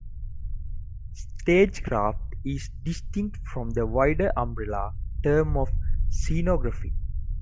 Stagecraft is distinct from the wider umbrella term of scenography.